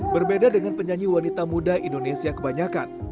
berbeda dengan penyanyi wanita muda indonesia kebanyakan